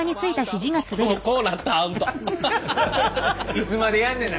いつまでやんねんな